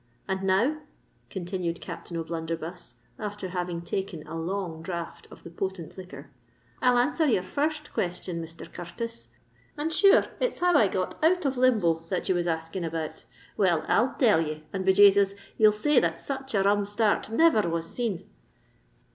And now," continued Captain O'Blunderbuss, after having taken a long draught of the potent liquor, "I'll answer your first question, Misther Cur r tis. And sure it's how I got out of limbo that ye was asking about. Well, I'll tell ye; and, be Jasus! ye'll say that such a rum start never was seen.